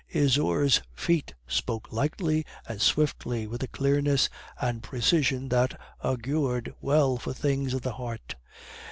Isaure's feet spoke lightly and swiftly with a clearness and precision which augured well for things of the heart.